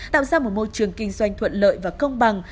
tạo ra một môi trường kinh doanh thuận lợi và công bằng